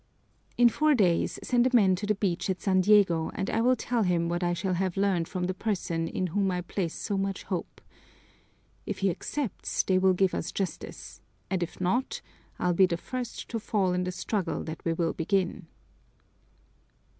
"In four days send a man to the beach at San Diego and I will tell him what I shall have learned from the person in whom I place so much hope. If he accepts, they will give us justice; and if not, I'll be the first to fall in the struggle that we will begin."